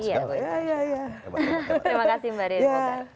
terima kasih mbak riri